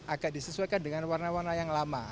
agak disesuaikan dengan warna warna yang lama